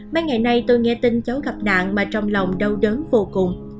mấy ngày nay tôi nghe tin cháu gặp nạn mà trong lòng đau đớn vô cùng